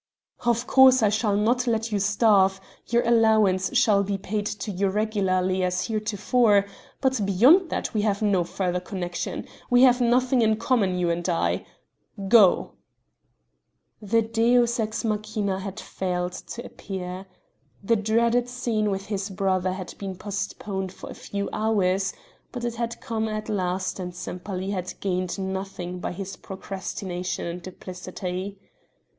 "Of course I shall not let you starve; your allowance shall be paid to you regularly as heretofore but beyond that we have no further connection; we have nothing in common, you and I. Go!" The deus ex machina had failed to appear. The dreaded scene with his brother had been postponed for a few hours, but it had come at last and Sempaly had gained nothing by his procrastination and duplicity.